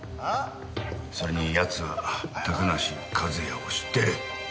それに奴は高梨一弥を知ってる。